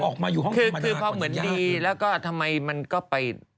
ออกมาอยู่ข้างคือพอเหมือนดีแล้วก็ทำไมมันก็ไป